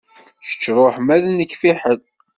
Kečč ṛuḥ ma d nekk fiḥel.